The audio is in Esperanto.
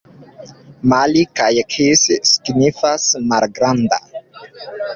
Mali kaj kis signifas: malgranda.